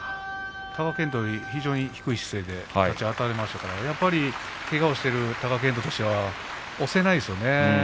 貴健斗に低い姿勢であたりましたからけがをしている貴健斗としては押せないんですよね。